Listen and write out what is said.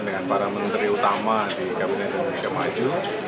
dengan para menteri utama di kabinet indonesia maju